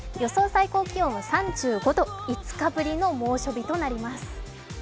最高気温は３５度、５日ぶりの猛暑日となります。